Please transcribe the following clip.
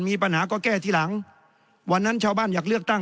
มีปัญหาก็แก้ทีหลังวันนั้นชาวบ้านอยากเลือกตั้ง